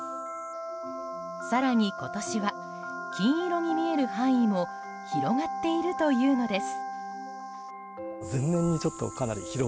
更に今年は、金色に見える範囲も広がっているというのです。